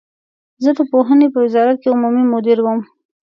زه د پوهنې په وزارت کې عمومي مدیر وم.